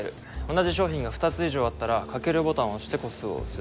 同じ商品が２つ以上あったらかけるボタンを押して個数を押す。